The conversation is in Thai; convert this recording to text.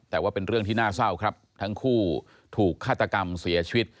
แต่ว่าเป็นเรื่องที่น่าเศร้าครับทั้งคู่ถูกฆาตกรรมเสียชีวิต